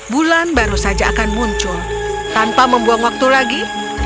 bulan baru saja akan muncul tanpa membuang waktu lagi